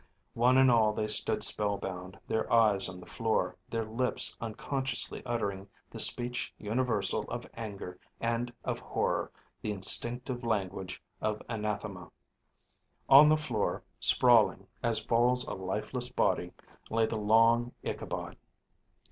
One and all they stood spellbound, their eyes on the floor, their lips unconsciously uttering the speech universal of anger and of horror, the instinctive language of anathema. On the floor, sprawling, as falls a lifeless body, lay the long Ichabod.